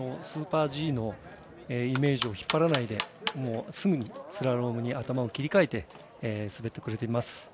スーパーＧのイメージを引っ張らないですぐにスラロームに頭を切り替えて滑ってくれています。